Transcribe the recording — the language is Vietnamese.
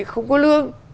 không có lương